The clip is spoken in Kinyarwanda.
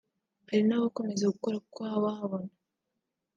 Hari n’abakomeza gukora kuko haba habona